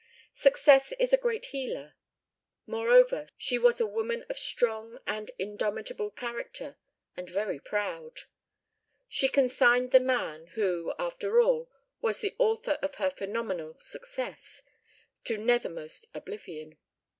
Success is a great healer. Moreover, she was a woman of strong and indomitable character, and very proud. She consigned the man, who, after all, was the author of her phenomenal success, to nethermost oblivion.